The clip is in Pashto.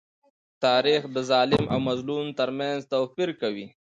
تاریخ د ظالم او مظلوم تر منځ توپير کوي.